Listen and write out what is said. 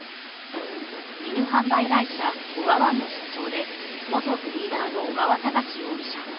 犬販売会社おがわんの社長で元ブリーダーの尾川隆容疑者。